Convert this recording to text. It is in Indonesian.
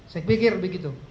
saya pikir begitu